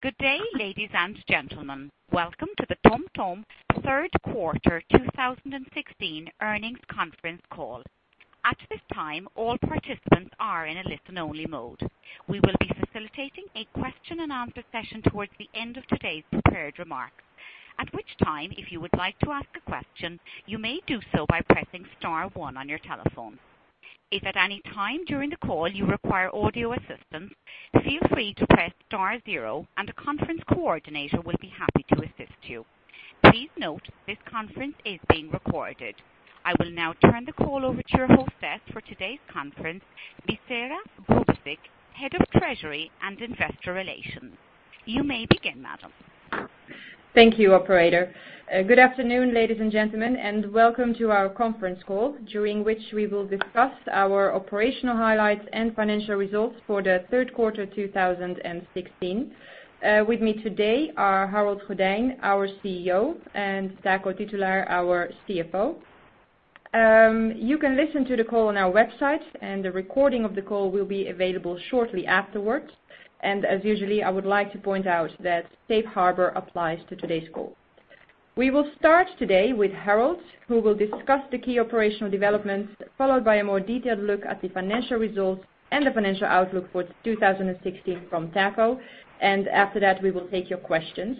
Good day, ladies and gentlemen. Welcome to the TomTom Third Quarter 2016 earnings conference call. At this time, all participants are in a listen-only mode. We will be facilitating a question and answer session towards the end of today's prepared remarks. At which time, if you would like to ask a question, you may do so by pressing star one on your telephone. If at any time during the call you require audio assistance, feel free to press star zero and the conference coordinator will be happy to assist you. Please note this conference is being recorded. I will now turn the call over to your hostess for today's conference, Bisera Grubesic, Head of Treasury and Investor Relations. You may begin, madam. Thank you, operator. Good afternoon, ladies and gentlemen, welcome to our conference call, during which we will discuss our operational highlights and financial results for the Third Quarter 2016. With me today are Harold Goddijn, our CEO, and Taco Titulaer, our CFO. You can listen to the call on our website, and the recording of the call will be available shortly afterwards. As usual, I would like to point out that safe harbor applies to today's call. We will start today with Harold, who will discuss the key operational developments, followed by a more detailed look at the financial results and the financial outlook for 2016 from Taco, and after that, we will take your questions.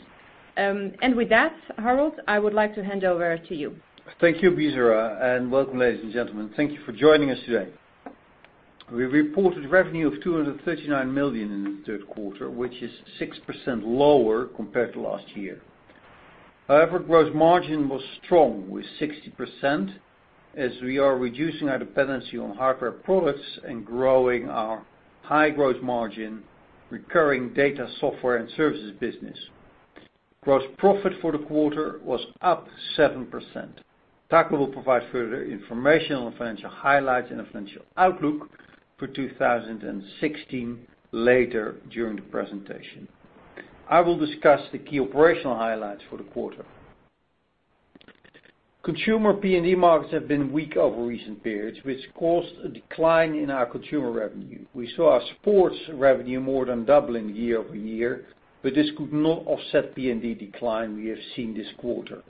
With that, Harold, I would like to hand over to you. Thank you, Bisera, and welcome, ladies and gentlemen. Thank you for joining us today. We reported revenue of 239 million in the Third Quarter, which is 6% lower compared to last year. However, gross margin was strong with 60%, as we are reducing our dependency on hardware products and growing our high gross margin recurring data software and services business. Gross profit for the quarter was up 7%. Taco will provide further information on financial highlights and financial outlook for 2016 later during the presentation. I will discuss the key operational highlights for the quarter. Consumer PND markets have been weak over recent periods, which caused a decline in our consumer revenue. We saw our sports revenue more than double in year-over-year, but this could not offset PND decline we have seen this quarter.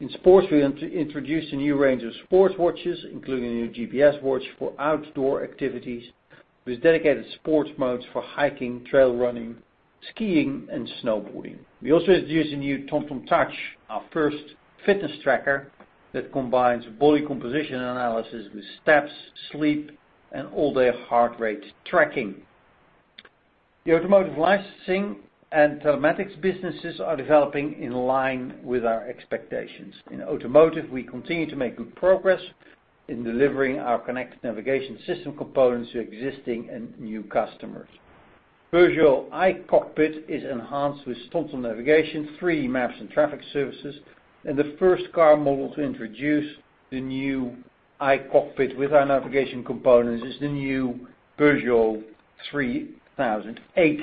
In sports, we introduced a new range of sports watches, including a new GPS watch for outdoor activities with dedicated sports modes for hiking, trail running, skiing, and snowboarding. We also introduced a new TomTom Touch, our first fitness tracker that combines body composition analysis with steps, sleep, and all-day heart rate tracking. The automotive licensing and telematics businesses are developing in line with our expectations. In automotive, we continue to make good progress in delivering our connected navigation system components to existing and new customers. Peugeot i-Cockpit is enhanced with TomTom navigation, 3D maps, and traffic services, and the first car model to introduce the new i-Cockpit with our navigation components is the new Peugeot 3008.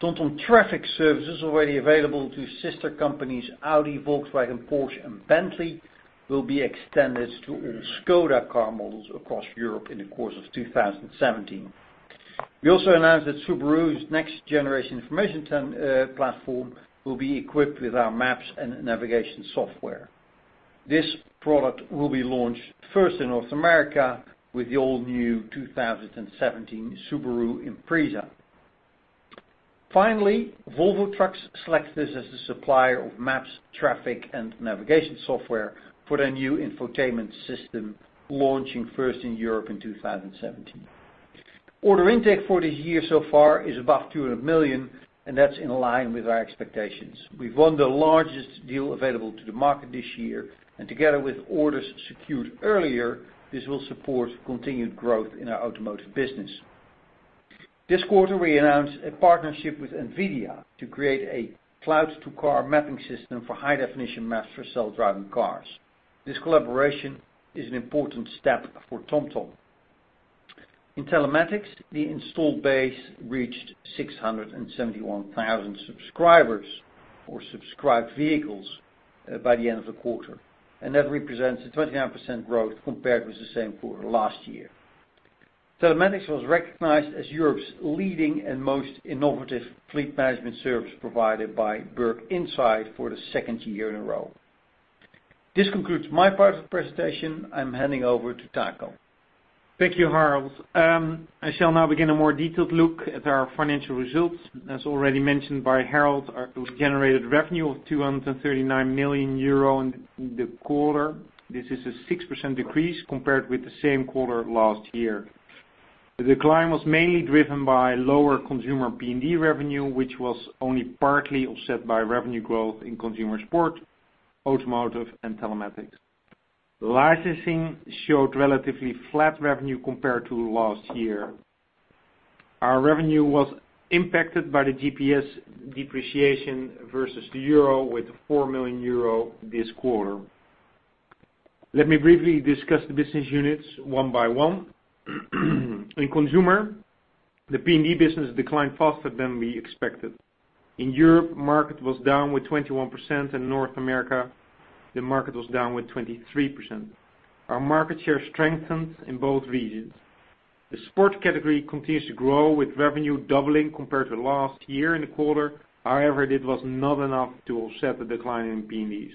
TomTom traffic services already available to sister companies Audi, Volkswagen, Porsche, and Bentley will be extended to all ŠKODA car models across Europe in the course of 2017. We also announced that Subaru's next generation information platform will be equipped with our maps and navigation software. This product will be launched first in North America with the all new 2017 Subaru Impreza. Finally, Volvo Trucks selects us as the supplier of maps, traffic, and navigation software for their new infotainment system, launching first in Europe in 2017. Order intake for this year so far is above 200 million, and that's in line with our expectations. We've won the largest deal available to the market this year, and together with orders secured earlier, this will support continued growth in our automotive business. This quarter, we announced a partnership with NVIDIA to create a cloud-to-car mapping system for high definition maps for self-driving cars. This collaboration is an important step for TomTom. In telematics, the installed base reached 671,000 subscribers or subscribed vehicles by the end of the quarter. That represents a 29% growth compared with the same quarter last year. Telematics was recognized as Europe's leading and most innovative fleet management service provided by Berg Insight for the second year in a row. This concludes my part of the presentation. I'm handing over to Taco. Thank you, Harold. I shall now begin a more detailed look at our financial results. As already mentioned by Harold, we've generated revenue of 239 million euro in the quarter. This is a 6% decrease compared with the same quarter last year. The decline was mainly driven by lower consumer PND revenue, which was only partly offset by revenue growth in consumer sport, automotive, and telematics. Licensing showed relatively flat revenue compared to last year. Our revenue was impacted by the GBP depreciation versus the euro with 4 million euro this quarter. Let me briefly discuss the business units one by one. In consumer, the PND business declined faster than we expected. In Europe, market was down with 21%, in North America the market was down with 23%. Our market share strengthens in both regions. The sports category continues to grow with revenue doubling compared to last year in the quarter. However, it was not enough to offset the decline in PNDs.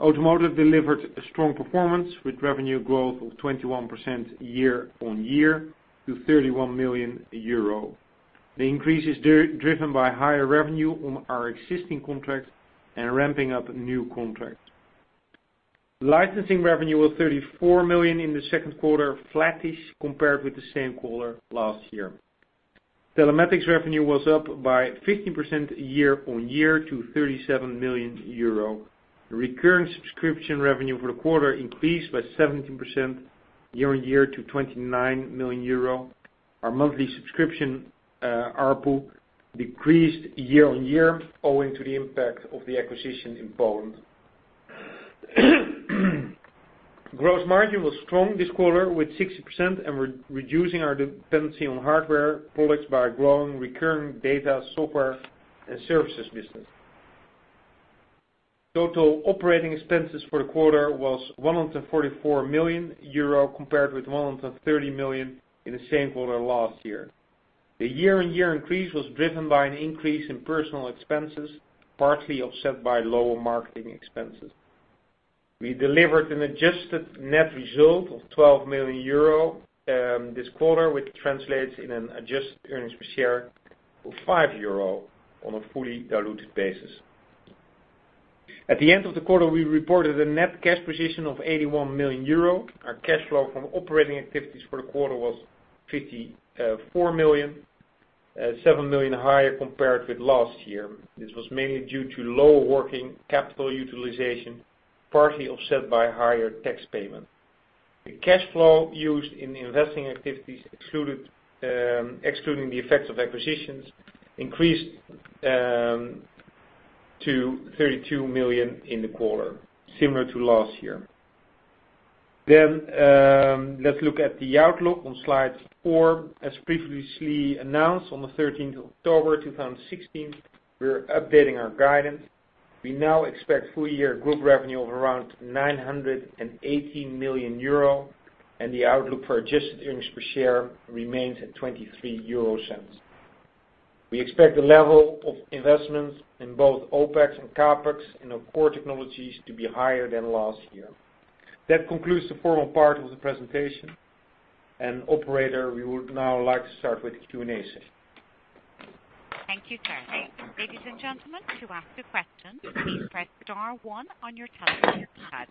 Automotive delivered a strong performance with revenue growth of 21% year-on-year to EUR 31 million. Licensing revenue was 34 million in the third quarter, flattish compared with the same quarter last year. Telematics revenue was up by 15% year-on-year to 37 million euro. Recurrent subscription revenue for the quarter increased by 17% year-on-year to 29 million euro. Our monthly subscription, ARPU, decreased year-on-year owing to the impact of the acquisition in Poland. Gross margin was strong this quarter with 60% and we're reducing our dependency on hardware products by growing recurring data software and services business. Total operating expenses for the quarter was 144 million euro compared with 130 million in the same quarter last year. The year-over-year increase was driven by an increase in personal expenses, partly offset by lower marketing expenses. We delivered an adjusted net result of 12 million euro this quarter, which translates in an adjusted earnings per share of 0.05 euro on a fully diluted basis. At the end of the quarter, we reported a net cash position of 81 million euro. Our cash flow from operating activities for the quarter was 54 million, 7 million higher compared with last year. This was mainly due to lower working capital utilization, partly offset by higher tax payment. The cash flow used in investing activities excluding the effects of acquisitions increased to 32 million in the quarter, similar to last year. Let's look at the outlook on slide four. As previously announced on the 13th October 2016, we are updating our guidance. We now expect full year group revenue of around 980 million euro, and the outlook for adjusted earnings per share remains at 0.23. We expect the level of investments in both OpEx and CapEx in our core technologies to be higher than last year. That concludes the formal part of the presentation. Operator, we would now like to start with the Q&A session. Thank you, sir. Ladies and gentlemen, to ask a question, please press star one on your telephone keypad.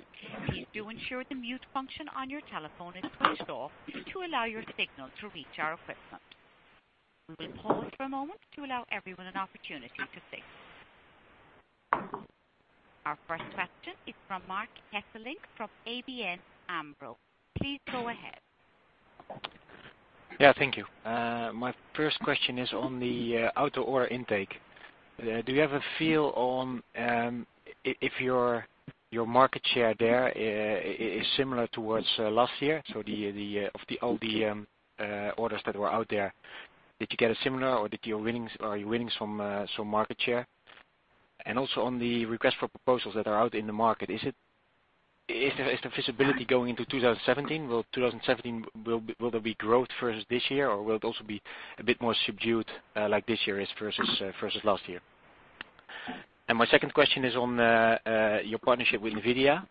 Please do ensure the mute function on your telephone is switched off to allow your signal to reach our equipment. We will pause for a moment to allow everyone an opportunity to think. Our first question is from Marc Hesselink from ABN AMRO. Please go ahead. Thank you. My first question is on the auto order intake. Do you have a feel on if your market share there is similar towards last year? Of all the orders that were out there, did you get a similar or are you winning some market share? Also on the request for proposals that are out in the market, is the visibility going into 2017? Will 2017, will there be growth versus this year or will it also be a bit more subdued like this year is versus last year? My second question is on your partnership with NVIDIA.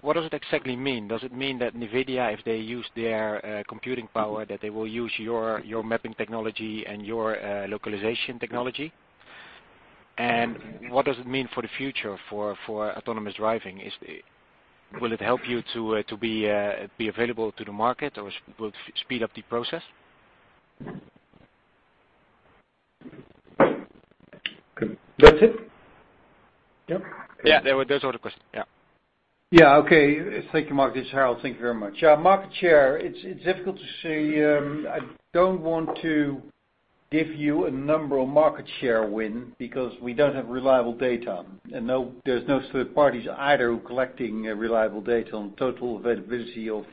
What does it exactly mean? Does it mean that NVIDIA, if they use their computing power, that they will use your mapping technology and your localization technology? What does it mean for the future for autonomous driving? Will it help you to be available to the market or will it speed up the process? Okay. That's it? Yep. Yeah. Those were the questions. Yeah. Yeah. Okay. Thank you, Marc. This is Harold. Thank you very much. Market share, it's difficult to say. I don't want to give you a number on market share win because we don't have reliable data, and there's no third parties either who collecting reliable data on total availability of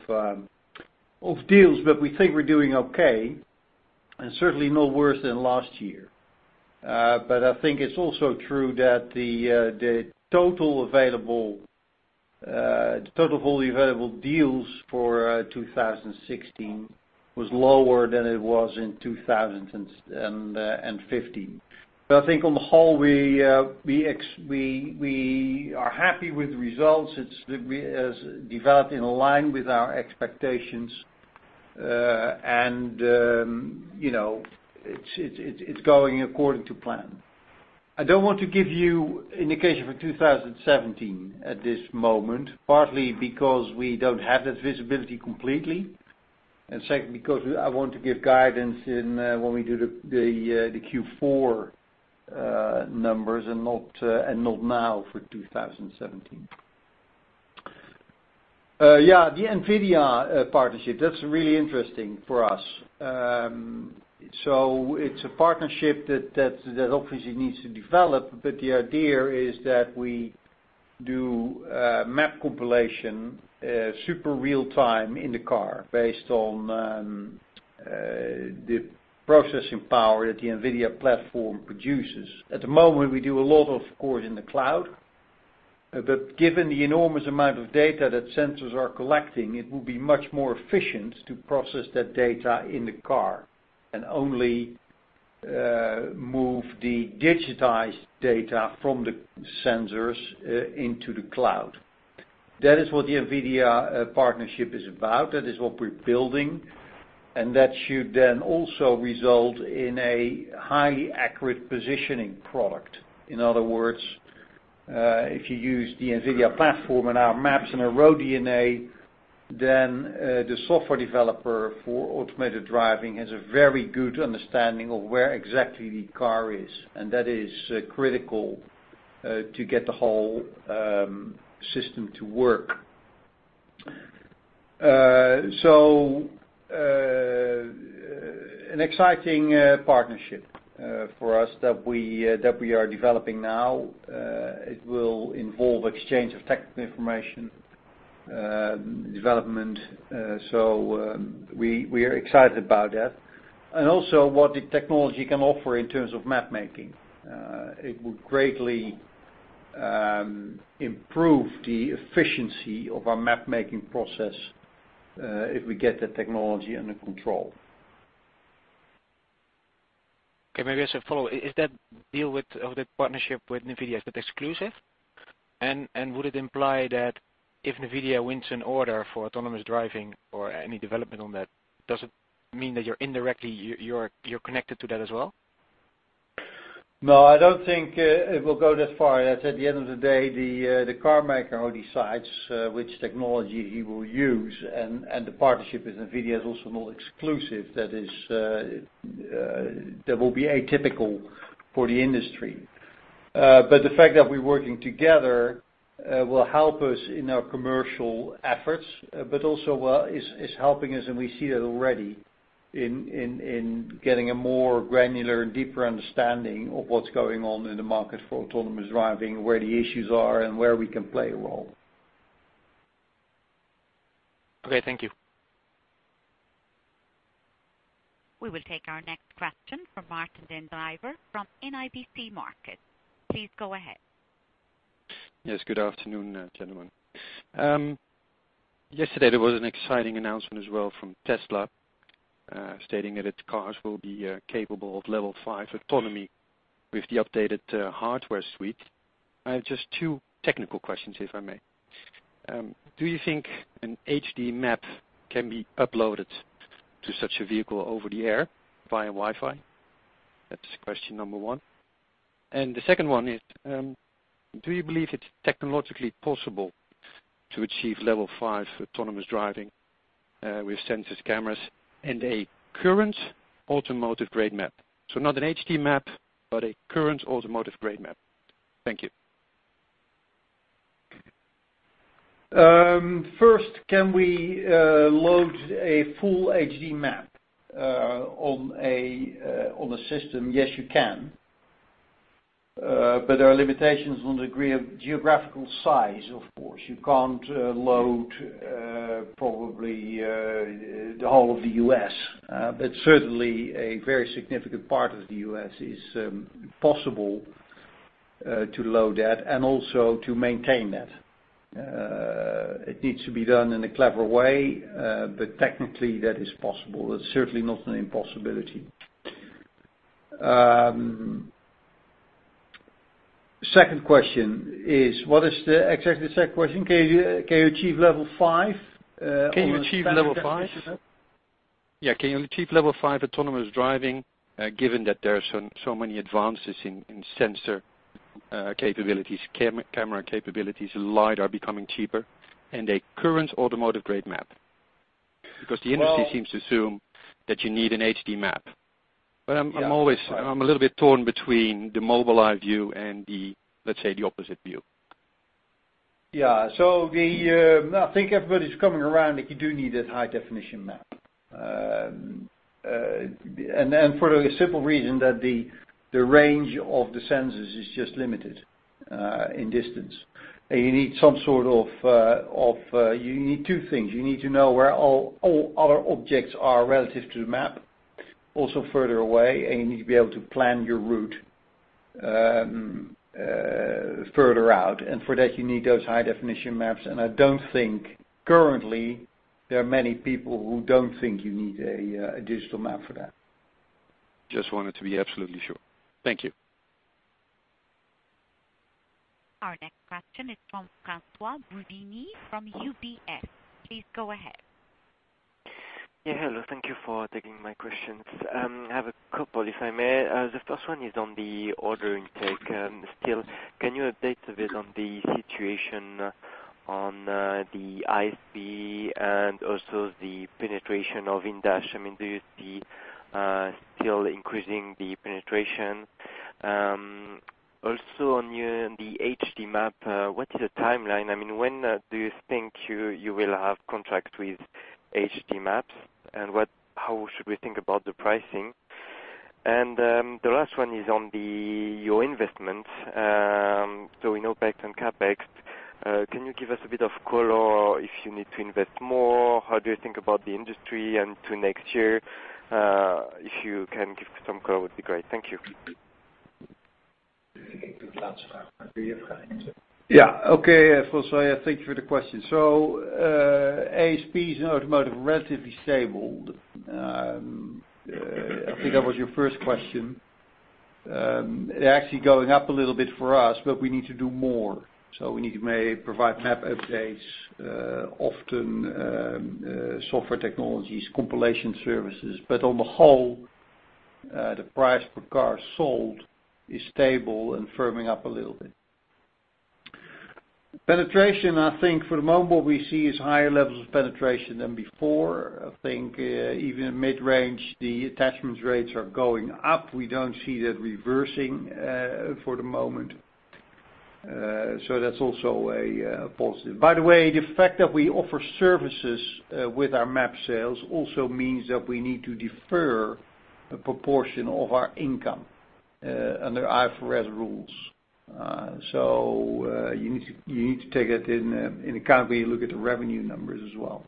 deals. We think we're doing okay and certainly no worse than last year. I think it's also true that the total available deals for 2016 was lower than it was in 2015. I think on the whole, we are happy with the results. It's developed in line with our expectations. It's going according to plan. I don't want to give you indication for 2017 at this moment, partly because we don't have that visibility completely, and second, because I want to give guidance when we do the Q4 numbers and not now for 2017. Yeah, the NVIDIA partnership, that's really interesting for us. It's a partnership that obviously needs to develop, but the idea is that we do map compilation super real time in the car based on- The processing power that the NVIDIA platform produces. At the moment, we do a lot, of course, in the cloud. Given the enormous amount of data that sensors are collecting, it will be much more efficient to process that data in the car and only move the digitized data from the sensors into the cloud. That is what the NVIDIA partnership is about. That is what we're building. That should also result in a highly accurate positioning product. In other words, if you use the NVIDIA platform and our maps and our RoadDNA, the software developer for automated driving has a very good understanding of where exactly the car is. That is critical to get the whole system to work. An exciting partnership for us that we are developing now. It will involve exchange of technical information, development. We are excited about that. Also what the technology can offer in terms of map making. It will greatly improve the efficiency of our map making process, if we get the technology under control. Okay, maybe as a follow. Is that deal of the partnership with NVIDIA, is that exclusive? Would it imply that if NVIDIA wins an order for autonomous driving or any development on that, does it mean that you're indirectly connected to that as well? No, I don't think it will go that far. At the end of the day, the car maker decides which technology he will use. The partnership with NVIDIA is also not exclusive. That will be atypical for the industry. The fact that we're working together will help us in our commercial efforts, but also is helping us, and we see that already, in getting a more granular and deeper understanding of what's going on in the market for autonomous driving, where the issues are, and where we can play a role. Okay, thank you. We will take our next question from Maarten den Breejen from NIBC Markets. Please go ahead. Yes, good afternoon, gentlemen. Yesterday there was an exciting announcement as well from Tesla, stating that its cars will be capable of Level 5 autonomy with the updated hardware suite. I have just two technical questions, if I may. Do you think an HD map can be uploaded to such a vehicle over the air via Wi-Fi? That's question number 1. The second one is, do you believe it's technologically possible to achieve Level 5 autonomous driving with sensors, cameras, and a current automotive grade map? Not an HD map, but a current automotive grade map. Thank you. First, can we load a full HD map on a system? Yes, you can. There are limitations on the degree of geographical size, of course. You can't load, probably, the whole of the U.S. Certainly, a very significant part of the U.S. is possible to load that and also to maintain that. It needs to be done in a clever way, but technically, that is possible. That's certainly not an impossibility. Second question is, what is the exactly the second question? Can you achieve Level 5 on a standard definition map? Can you achieve Level 5? Can you achieve Level 5 autonomous driving, given that there are so many advances in sensor capabilities, camera capabilities, and lidar becoming cheaper, and a current automotive-grade map? Because the industry seems to assume that you need an HD map. I'm a little bit torn between the Mobileye view and the, let's say, the opposite view. I think everybody's coming around that you do need that high-definition map. For the simple reason that the range of the sensors is just limited in distance. You need two things. You need to know where all other objects are relative to the map, also further away, and you need to be able to plan your route further out. For that, you need those high-definition maps. I don't think currently there are many people who don't think you need a digital map for that. Just wanted to be absolutely sure. Thank you. Our next question is from François Bouvignies from UBS. Please go ahead. Hello. Thank you for taking my questions. I have a couple, if I may. The first one is on the order intake. Can you update us on the situation on the ICE and also the penetration of in-dash? Do you see still increasing the penetration? Also, on the HD Map, what is the timeline? When do you think you will have contract with HD Maps? How should we think about the pricing? The last one is on your investments. In OpEx and CapEx, can you give us a bit of color if you need to invest more? How do you think about the industry and to next year? If you can give some color, would be great. Thank you. Okay, François, thank you for the question. ASPs in automotive are relatively stable. I think that was your first question. They're actually going up a little bit for us, but we need to do more. We need to provide map updates often, software technologies, compilation services. On the whole, the price per car sold is stable and firming up a little bit. Penetration, I think for the moment what we see is higher levels of penetration than before. I think even mid-range, the attachment rates are going up. We don't see that reversing for the moment. That's also positive. By the way, the fact that we offer services with our map sales also means that we need to defer a proportion of our income under IFRS rules. You need to take it in account when you look at the revenue numbers as well.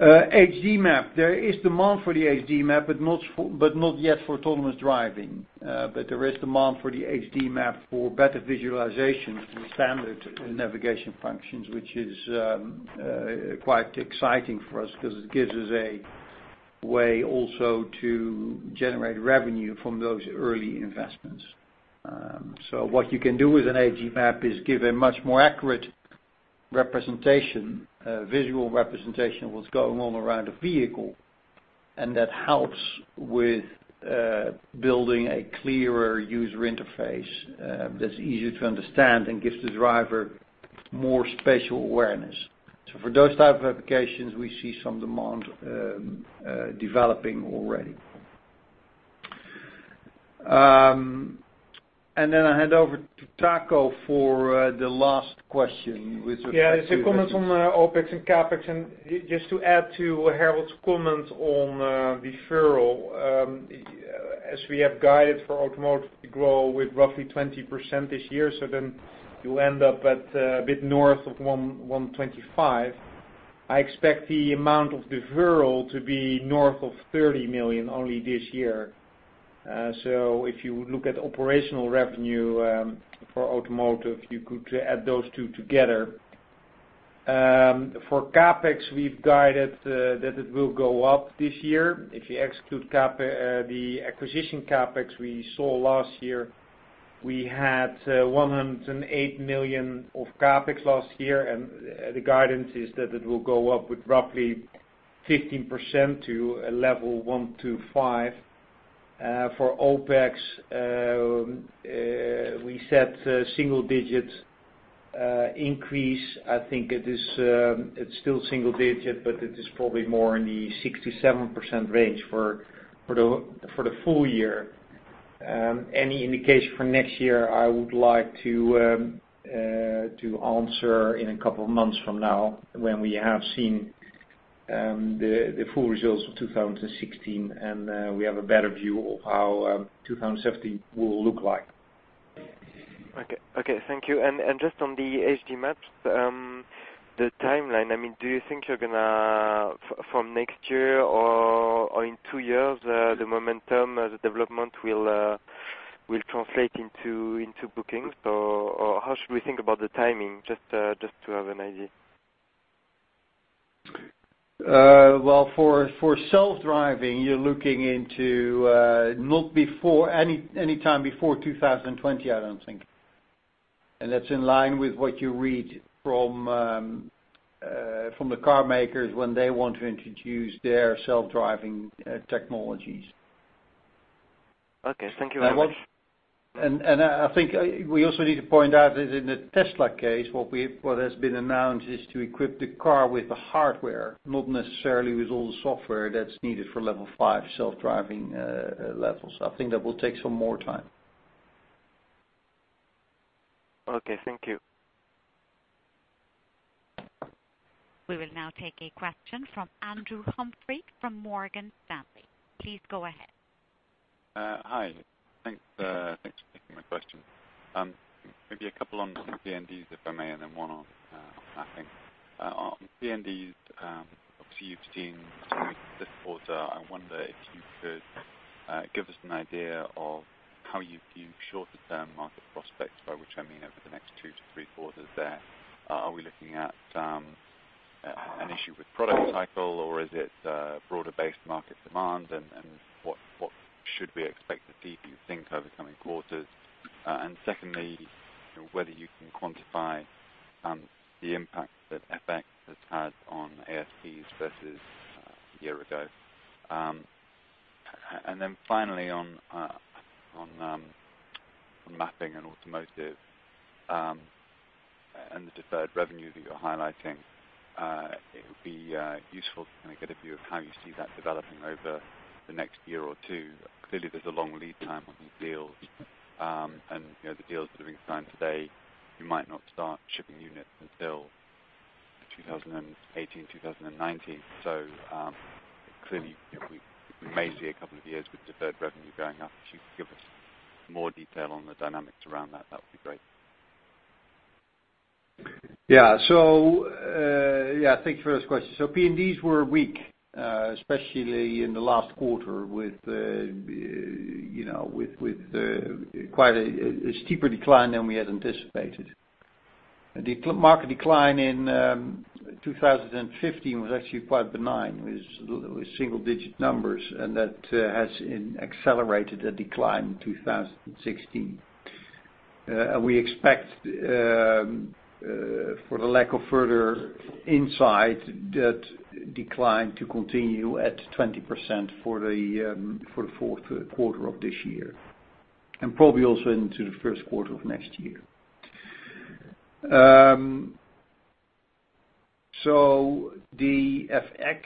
HD Map. There is demand for the HD Map, not yet for autonomous driving. There is demand for the HD Map for better visualization for standard navigation functions, which is quite exciting for us because it gives us a way also to generate revenue from those early investments. What you can do with an HD Map is give a much more accurate visual representation of what's going on around a vehicle, and that helps with building a clearer user interface that's easier to understand and gives the driver more spatial awareness. For those type of applications, we see some demand developing already. Then I hand over to Taco for the last question with respect to. It's a comment on OpEx and CapEx. Just to add to Harold's comment on deferral, as we have guided for automotive to grow with roughly 20% this year, you end up at a bit north of 125. I expect the amount of deferral to be north of 30 million only this year. If you look at operational revenue for automotive, you could add those two together. For CapEx, we've guided that it will go up this year. If you exclude the acquisition CapEx we saw last year, we had 108 million of CapEx last year, and the guidance is that it will go up with roughly 15% to a level 125. For OpEx, we set single-digit increase. I think it's still single-digit, but it is probably more in the 6%-7% range for the full year. Any indication for next year, I would like to answer in a couple of months from now when we have seen the full results of 2016 and we have a better view of how 2017 will look like. Okay. Thank you. Just on the HD maps, the timeline. Do you think from next year or in two years, the momentum, the development will translate into bookings? Or how should we think about the timing, just to have an idea? Well, for self-driving, you're looking into not anytime before 2020, I don't think. That's in line with what you read from the car makers when they want to introduce their self-driving technologies. Okay. Thank you very much. I think we also need to point out that in the Tesla case, what has been announced is to equip the car with the hardware, not necessarily with all the software that's needed for Level 5 self-driving levels. I think that will take some more time. Okay. Thank you. We will now take a question from Andrew Humphrey from Morgan Stanley. Please go ahead. Hi. Thanks for taking my question. Maybe a couple on PNDs if I may, then one on mapping. On PNDs, obviously you've seen this quarter. I wonder if you could give us an idea of how you view shorter term market prospects, by which I mean over the next 2-3 quarters there. Are we looking at an issue with product cycle or is it broader based market demand? What should we expect to see, do you think, over the coming quarters? Secondly, whether you can quantify the impact that FX has had on ASPs versus a year ago. Finally on mapping and automotive, and the deferred revenue that you're highlighting, it would be useful to kind of get a view of how you see that developing over the next year or two. Clearly, there's a long lead time on these deals. The deals that are being signed today, you might not start shipping units until 2018, 2019. Clearly, we may see a couple of years with deferred revenue going up. If you could give us more detail on the dynamics around that would be great. Yeah. Thank you for this question. PNDs were weak, especially in the last quarter with quite a steeper decline than we had anticipated. The market decline in 2015 was actually quite benign, with single-digit numbers, and that has accelerated a decline in 2016. We expect, for the lack of further insight, that decline to continue at 20% for the fourth quarter of this year, and probably also into the first quarter of next year. The FX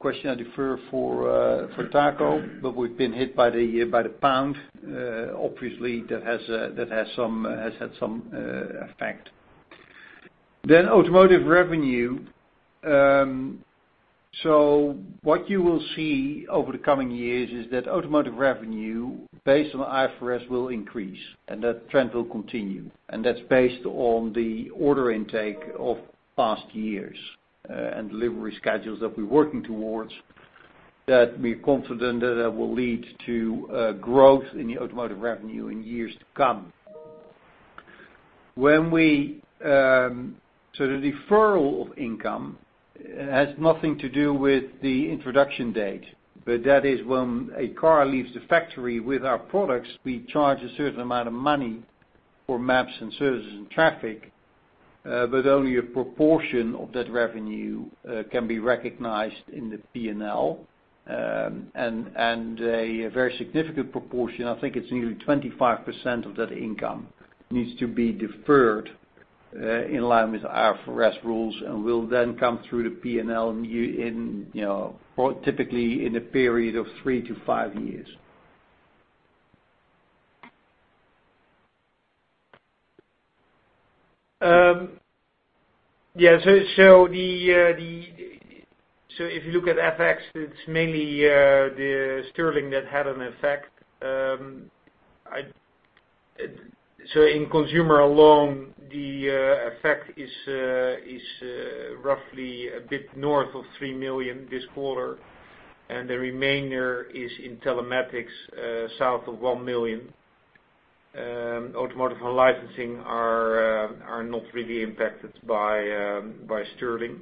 question I defer for Taco, but we've been hit by the pound. Obviously, that has had some effect. Automotive revenue. What you will see over the coming years is that automotive revenue based on IFRS will increase, and that trend will continue. That's based on the order intake of past years, and delivery schedules that we're working towards, that we're confident that that will lead to growth in the automotive revenue in years to come. The deferral of income has nothing to do with the introduction date, but that is when a car leaves the factory with our products, we charge a certain amount of money for maps and services and traffic, but only a proportion of that revenue can be recognized in the P&L. A very significant proportion, I think it's nearly 25% of that income, needs to be deferred, in line with IFRS rules, and will then come through the P&L typically in a period of 3-5 years. Yeah. If you look at FX, it's mainly the sterling that had an effect. In Consumer alone, the effect is roughly a bit north of 3 million this quarter, and the remainder is in Telematics, south of 1 million. Automotive and Licensing are not really impacted by GBP.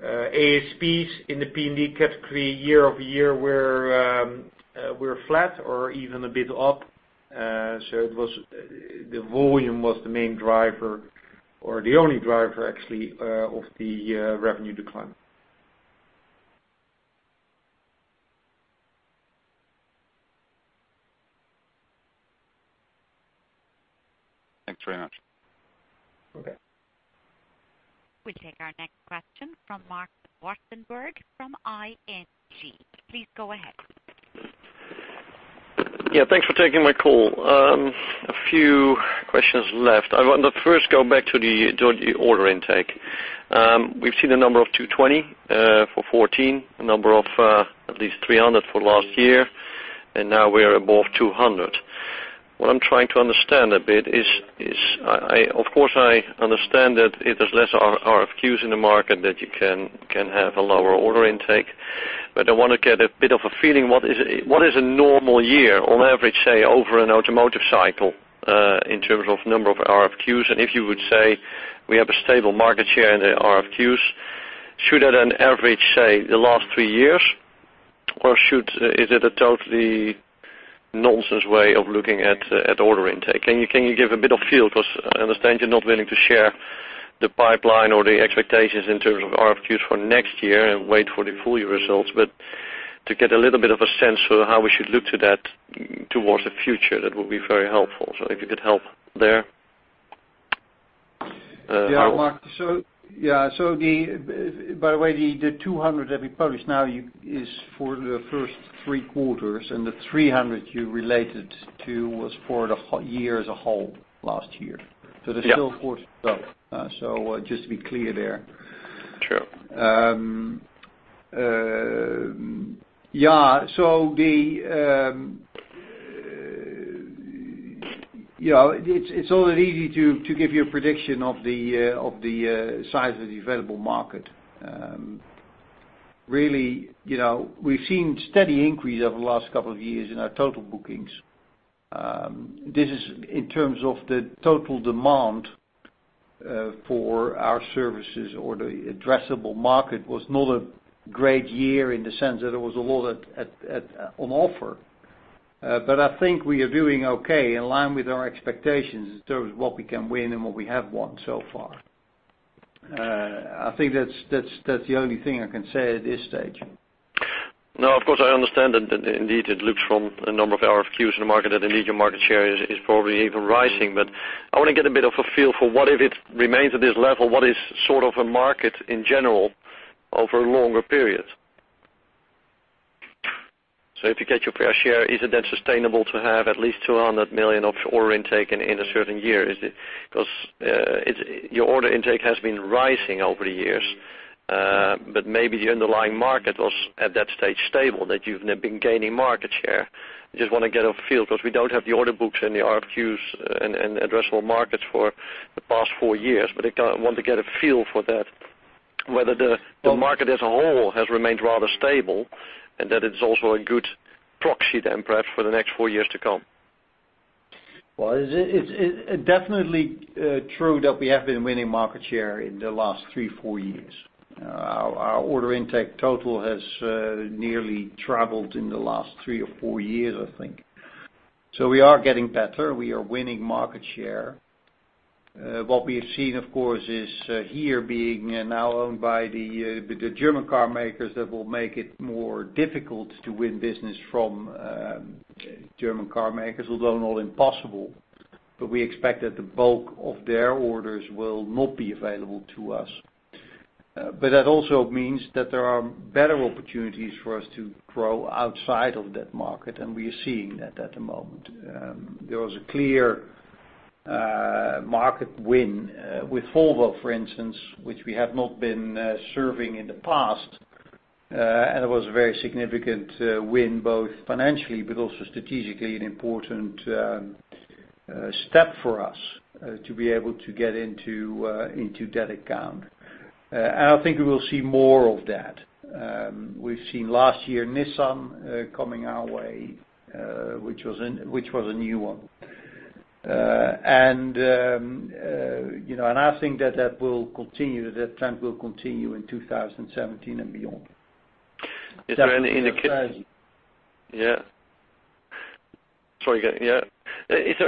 ASPs in the PND category year-over-year were flat or even a bit up. The volume was the main driver or the only driver, actually, of the revenue decline. Thanks very much. Okay. We take our next question from Marc Zwartsenburg from ING. Please go ahead. Thanks for taking my call. A few questions left. I want to first go back to the order intake. We've seen a number of 220 for 2014, a number of at least 300 for last year, and now we're above 200. What I'm trying to understand a bit is, of course, I understand that if there's less RFQs in the market, that you can have a lower order intake. I want to get a bit of a feeling, what is a normal year on average, say, over an automotive cycle, in terms of number of RFQs? And if you would say we have a stable market share in the RFQs, should at an average, say, the last three years, or is it a totally nonsense way of looking at order intake? Can you give a bit of feel? I understand you're not willing to share the pipeline or the expectations in terms of RFQs for next year and wait for the full year results. To get a little bit of a sense for how we should look to that towards the future, that would be very helpful. If you could help there. Marc. By the way, the 200 that we published now is for the first three quarters, and the 300 you related to was for the year as a whole last year. Yeah. There's still quarter to go. Just to be clear there. True. It's always easy to give you a prediction of the size of the available market. Really, we've seen steady increase over the last couple of years in our total bookings. This is in terms of the total demand for our services or the addressable market, was not a great year in the sense that there was a lot on offer. I think we are doing okay in line with our expectations in terms of what we can win and what we have won so far. I think that's the only thing I can say at this stage. I understand that indeed it looks from a number of RFQs in the market that indeed your market share is probably even rising. I want to get a bit of a feel for what if it remains at this level, what is sort of a market in general over a longer period? If you get your fair share, is it then sustainable to have at least 200 million of order intake in a certain year? Because your order intake has been rising over the years, but maybe the underlying market was at that stage stable, that you've now been gaining market share. I just want to get a feel, because we don't have the order books and the RFQs and addressable markets for the past four years, but I want to get a feel for that, whether the market as a whole has remained rather stable and that it's also a good proxy then perhaps for the next four years to come. Well, it's definitely true that we have been winning market share in the last three, four years. Our order intake total has nearly tripled in the last three or four years, I think. We are getting better. We are winning market share. What we have seen, of course, is HERE being now owned by the German car makers that will make it more difficult to win business from German car makers, although not impossible, but we expect that the bulk of their orders will not be available to us. That also means that there are better opportunities for us to grow outside of that market, and we are seeing that at the moment. There was a clear market win with Volvo, for instance, which we have not been serving in the past. It was a very significant win, both financially but also strategically, an important step for us to be able to get into that account. I think we will see more of that. We've seen last year Nissan coming our way, which was a new one. I think that trend will continue in 2017 and beyond. Is there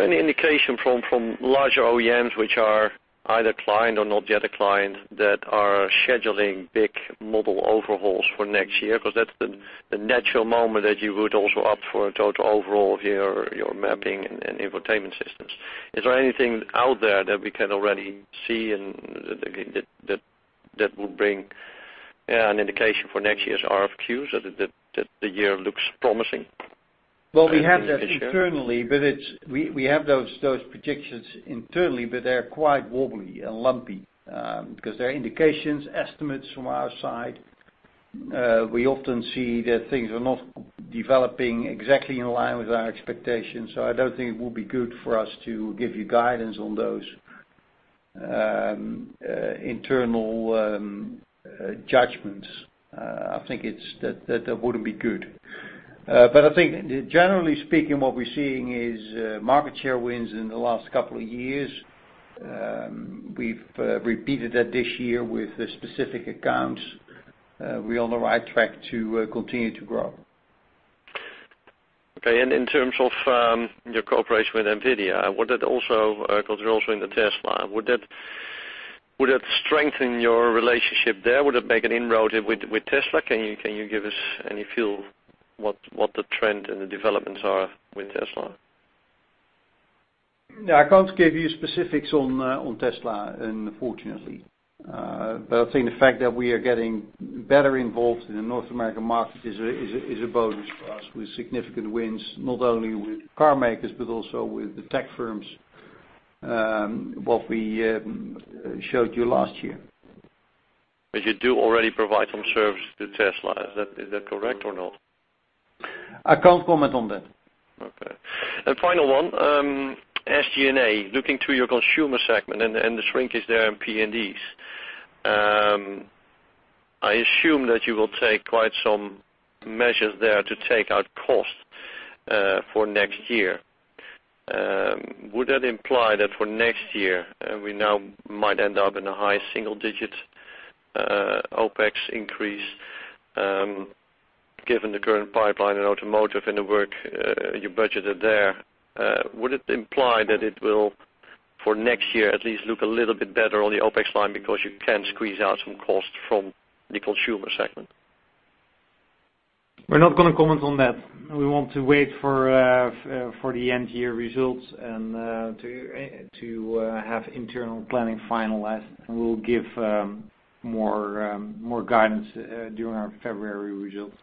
any indication from larger OEMs which are either client or not yet a client that are scheduling big model overhauls for next year? That's the natural moment that you would also opt for a total overhaul of your mapping and infotainment systems. Is there anything out there that we can already see, and that would bring an indication for next year's RFQ so that the year looks promising? Well, we have those predictions internally, they're quite wobbly and lumpy, they're indications, estimates from our side. We often see that things are not developing exactly in line with our expectations. I don't think it would be good for us to give you guidance on those internal judgments. I think that wouldn't be good. I think generally speaking, what we're seeing is market share wins in the last couple of years. We've repeated that this year with specific accounts. We're on the right track to continue to grow. Okay, in terms of your cooperation with NVIDIA, you're also in the Tesla, would that strengthen your relationship there? Would it make an inroad with Tesla? Can you give us any feel what the trend and the developments are with Tesla? No, I can't give you specifics on Tesla, unfortunately. I think the fact that we are getting better involved in the North American market is a bonus for us, with significant wins, not only with car makers, but also with the tech firms, what we showed you last year. You do already provide some service to Tesla. Is that correct or not? I cannot comment on that. Okay. Final one, SG&A, looking to your consumer segment and the shrinkage there in PNDs. I assume that you will take quite some measures there to take out cost for next year. Would that imply that for next year, we now might end up in a high single-digit OpEx increase, given the current pipeline in automotive and the work you budgeted there? Would it imply that it will, for next year at least, look a little bit better on the OpEx line because you can squeeze out some cost from the consumer segment? We are not going to comment on that. We want to wait for the end-year results and to have internal planning finalized, and we will give more guidance during our February results.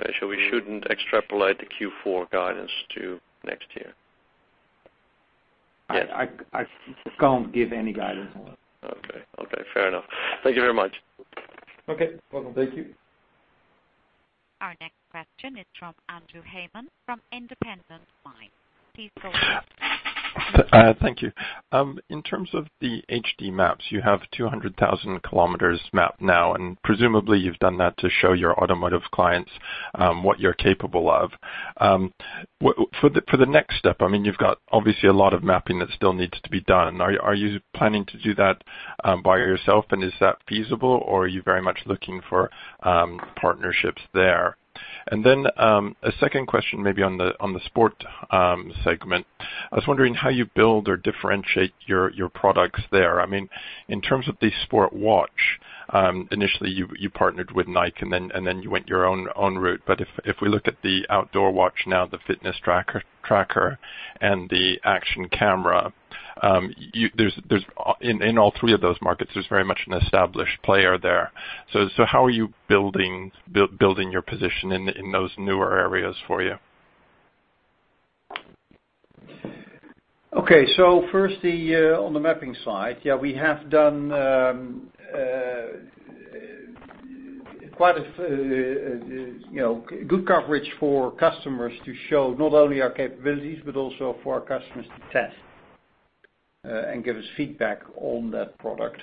Okay, we shouldn't extrapolate the Q4 guidance to next year? I can't give any guidance on it. Okay. Fair enough. Thank you very much. Okay. Welcome. Thank you. Our next question is from Andrew Hayman from Independent Minds. Please go ahead. Thank you. In terms of the HD maps, you have 200,000 kilometers mapped now, and presumably you've done that to show your automotive clients what you're capable of. For the next step, you've got obviously a lot of mapping that still needs to be done. Are you planning to do that by yourself, and is that feasible, or are you very much looking for partnerships there? Then, a two question maybe on the sport segment. I was wondering how you build or differentiate your products there. In terms of the sport watch, initially you partnered with Nike, and then you went your own route. If we look at the outdoor watch now, the fitness tracker, and the action camera. In all three of those markets, there's very much an established player there. How are you building your position in those newer areas for you? First, on the mapping side, we have done good coverage for customers to show not only our capabilities, but also for our customers to test and give us feedback on that product,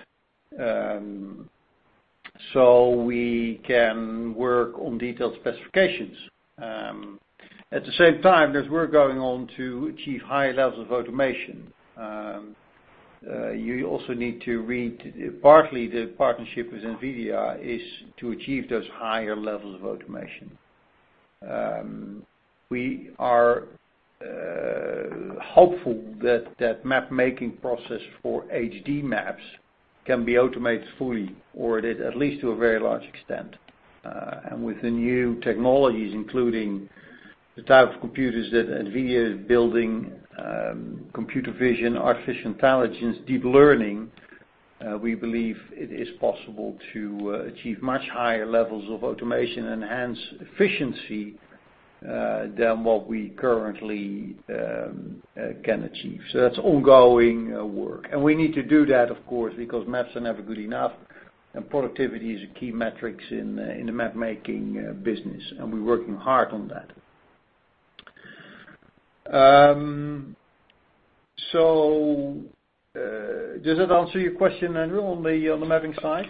so we can work on detailed specifications. At the same time, there's work going on to achieve high levels of automation. Partly the partnership with NVIDIA is to achieve those higher levels of automation. We are hopeful that mapmaking process for HD maps can be automated fully, or at least to a very large extent. With the new technologies, including the type of computers that NVIDIA is building, computer vision, artificial intelligence, deep learning, we believe it is possible to achieve much higher levels of automation, enhance efficiency, than what we currently can achieve. That's ongoing work, and we need to do that, of course, because maps are never good enough, and productivity is a key metric in the mapmaking business, and we're working hard on that. Does that answer your question, Andrew, on the mapping side?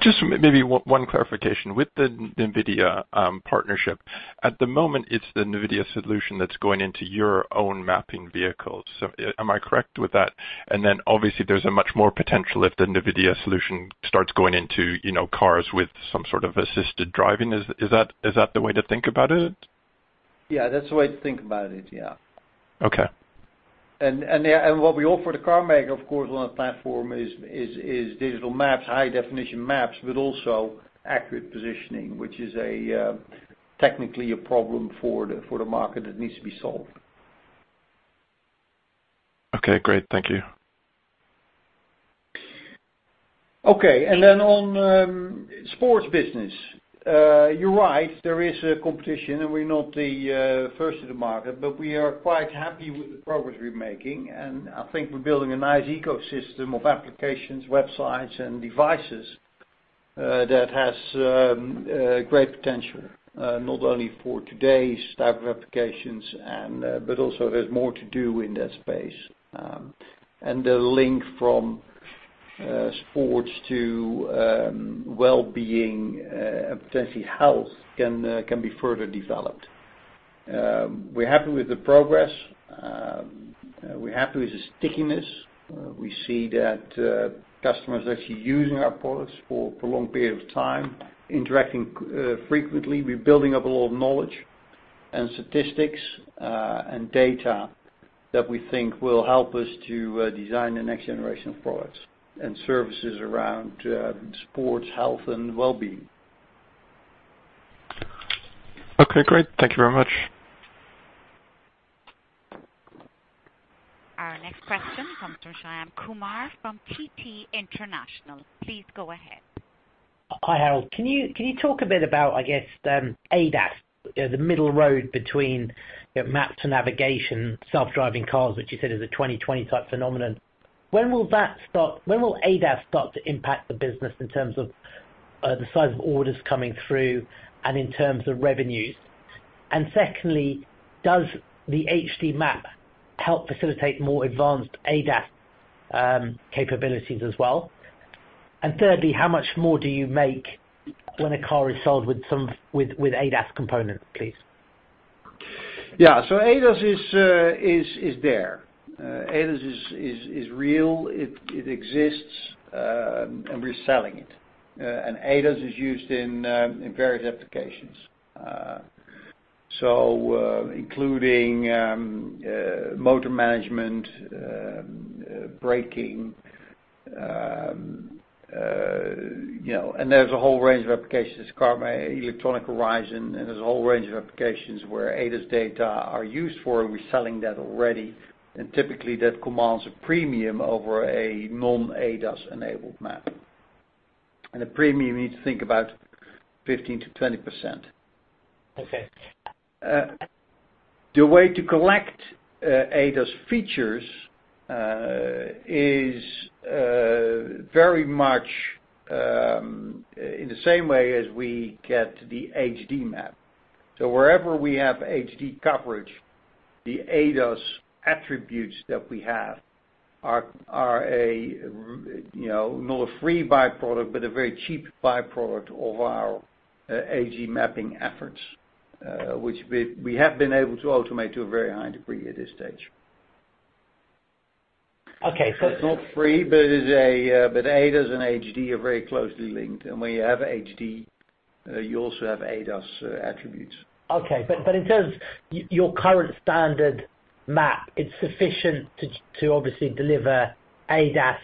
Just maybe one clarification. With the NVIDIA partnership, at the moment, it's the NVIDIA solution that's going into your own mapping vehicles. Am I correct with that? Obviously, there's a much more potential if the NVIDIA solution starts going into cars with some sort of assisted driving. Is that the way to think about it? Yeah, that's the way to think about it, yeah. Okay. What we offer the car maker, of course, on our platform is digital maps, high definition maps, but also accurate positioning, which is technically a problem for the market that needs to be solved. Okay, great. Thank you. Okay. On sports business. You're right, there is competition, and we're not the first in the market, but we are quite happy with the progress we're making. I think we're building a nice ecosystem of applications, websites, and devices, that has great potential, not only for today's type of applications, but also there's more to do in that space. The link from sports to wellbeing, potentially health, can be further developed. We're happy with the progress. We're happy with the stickiness. We see that customers are actually using our products for prolonged period of time, interacting frequently. We're building up a lot of knowledge and statistics, and data that we think will help us to design the next generation of products and services around sports, health, and wellbeing. Okay, great. Thank you very much. Our next question comes from Shyam Kumar from TT International. Please go ahead. Hi, Harold. Can you talk a bit about, I guess, ADAS, the middle road between map to navigation, self-driving cars, which you said is a 2020 type phenomenon. When will ADAS start to impact the business in terms of the size of orders coming through and in terms of revenues? Secondly, does the HD map help facilitate more advanced ADAS capabilities as well? Thirdly, how much more do you make when a car is sold with ADAS component, please? Yeah. ADAS is there. ADAS is real. It exists, and we're selling it. ADAS is used in various applications, including motor management, braking, and there's a whole range of applications, Electronic Horizon, where ADAS data are used for. We're selling that already. Typically, that commands a premium over a non-ADAS enabled map. A premium, you need to think about 15%-20%. Okay. The way to collect ADAS features is very much in the same way as we get the HD map. Wherever we have HD coverage, the ADAS attributes that we have are not a free byproduct, but a very cheap byproduct of our HD mapping efforts, which we have been able to automate to a very high degree at this stage. Okay. It's not free, ADAS and HD are very closely linked. Where you have HD, you also have ADAS attributes. Okay. In terms, your current standard map, it's sufficient to obviously deliver ADAS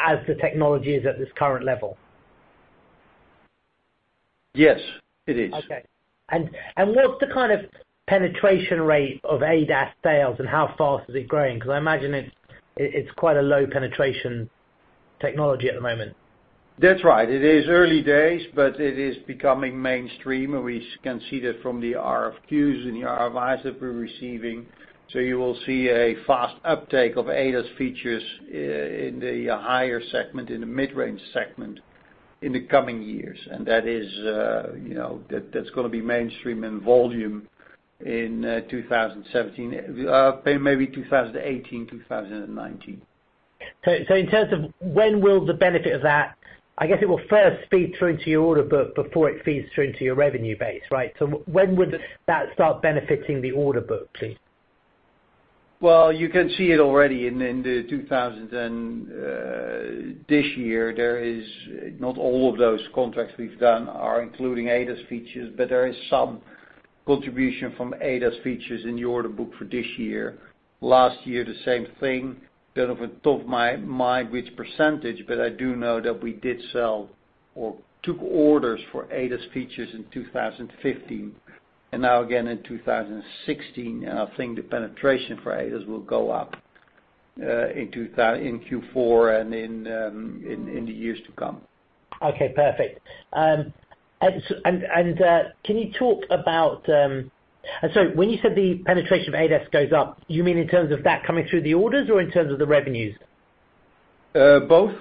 as the technology is at this current level? Yes, it is. Okay. What's the kind of penetration rate of ADAS sales and how fast is it growing? Because I imagine it's quite a low penetration technology at the moment. That's right. It is early days, but it is becoming mainstream, and we can see that from the RFQs and the RFIs that we're receiving. You will see a fast uptake of ADAS features in the higher segment, in the mid-range segment in the coming years. That's going to be mainstream in volume in 2017, maybe 2018, 2019. In terms of when will the benefit of that, I guess it will first feed through into your order book before it feeds through into your revenue base, right? When would that start benefiting the order book, please? You can see it already in the [2000] and this year, not all of those contracts we've done are including ADAS features, but there is some contribution from ADAS features in the order book for this year. Last year, the same thing. Don't off the top of my mind which percentage, but I do know that we did sell or took orders for ADAS features in 2015, and now again in 2016. I think the penetration for ADAS will go up, in Q4 and in the years to come. Okay, perfect. When you said the penetration of ADAS goes up, you mean in terms of that coming through the orders or in terms of the revenues? Both.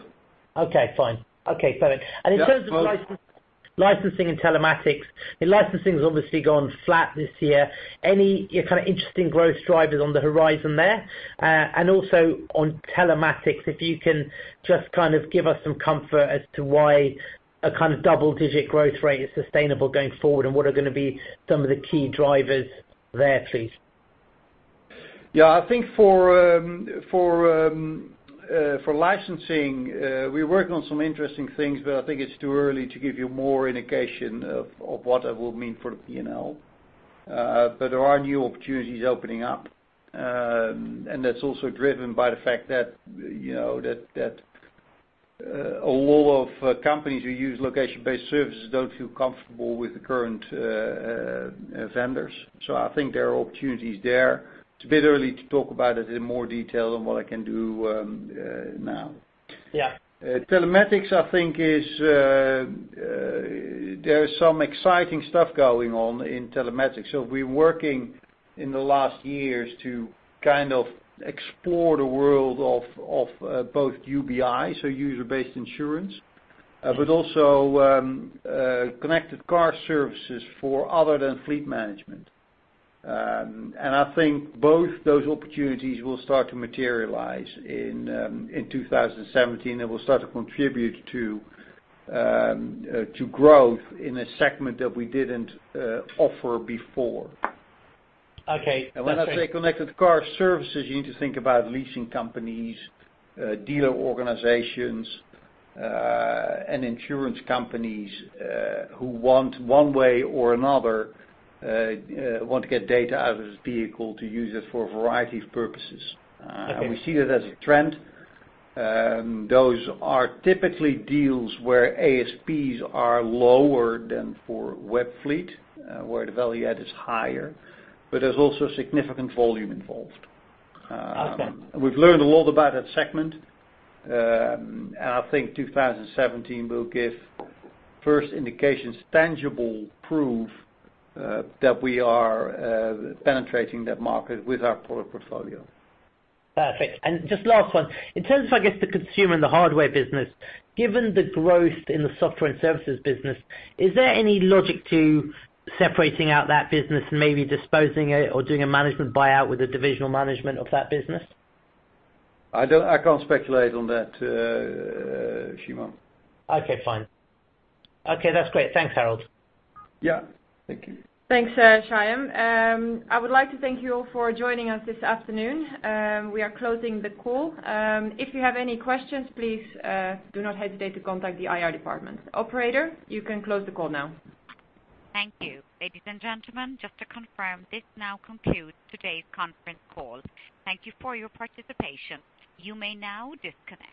Okay, fine. Okay, perfect. Yeah, both. In terms of licensing and telematics, the licensing's obviously gone flat this year. Any kind of interesting growth drivers on the horizon there? Also on telematics, if you can just kind of give us some comfort as to why a kind of double-digit growth rate is sustainable going forward, and what are going to be some of the key drivers there, please? I think for licensing, we work on some interesting things, but I think it's too early to give you more indication of what that will mean for the P&L. There are new opportunities opening up, and that's also driven by the fact that a lot of companies who use location-based services don't feel comfortable with the current vendors. I think there are opportunities there. It's a bit early to talk about it in more detail than what I can do now. Yeah. Telematics, I think there is some exciting stuff going on in telematics. We're working in the last years to kind of explore the world of both UBI, so user-based insurance, but also connected car services for other than fleet management. I think both those opportunities will start to materialize in 2017 and will start to contribute to growth in a segment that we didn't offer before. Okay. When I say connected car services, you need to think about leasing companies, dealer organizations, and insurance companies, who want one way or another, want to get data out of this vehicle to use it for a variety of purposes. Okay. We see that as a trend. Those are typically deals where ASPs are lower than for WEBFLEET, where the value add is higher, but there's also significant volume involved. Okay. We've learned a lot about that segment. I think 2017 will give first indications, tangible proof, that we are penetrating that market with our product portfolio. Perfect. Just last one. In terms of, I guess, the consumer and the hardware business, given the growth in the software and services business, is there any logic to separating out that business and maybe disposing it or doing a management buyout with the divisional management of that business? I can't speculate on that, Shyam. Okay, fine. Okay, that's great. Thanks, Harold. Yeah, thank you. Thanks, Shyam. I would like to thank you all for joining us this afternoon. We are closing the call. If you have any questions, please do not hesitate to contact the IR department. Operator, you can close the call now. Thank you. Ladies and gentlemen, just to confirm, this now concludes today's conference call. Thank you for your participation. You may now disconnect.